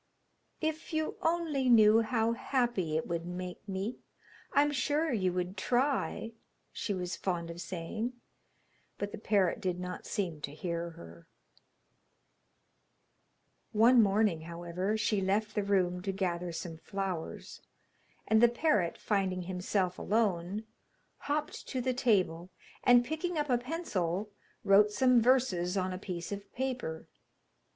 'If you only knew how happy it would make me, I'm sure you would try,' she was fond of saying; but the parrot did not seem to hear her. One morning, however, she left the room to gather some flowers, and the parrot, finding himself alone, hopped to the table, and, picking up a pencil, wrote some verses on a piece of paper.